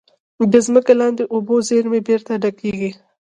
د ځمکې لاندې اوبو زیرمې بېرته ډکېږي.